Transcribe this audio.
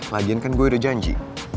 lagian kan gue udah janji